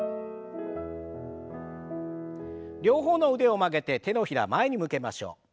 両方の腕を曲げて手のひらを前に向けましょう。